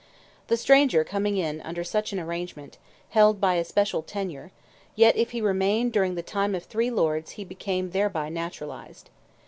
The stranger coming in under such an arrangement, held by a special tenure, yet if he remained during the time of three lords he became thereby naturalized.